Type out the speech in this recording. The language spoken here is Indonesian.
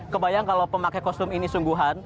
kebayang kalau pemakai kostum ini sungguhan